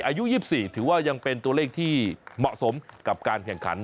อายุ๒๔ถือว่ายังเป็นตัวเลขที่เหมาะสมกับการแข่งขัน